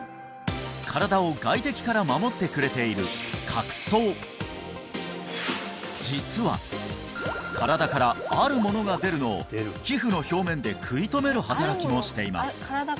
身体を外敵から守ってくれている角層実は身体からあるものが出るのを皮膚の表面で食い止める働きもしています